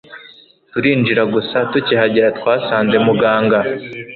turinjira gusa tukihagera twasanze muganga